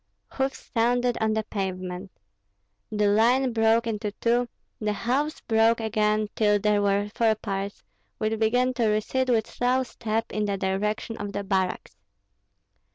Hoofs sounded on the pavement. The line broke into two; the halves broke again till there were four parts, which began to recede with slow step in the direction of the barracks.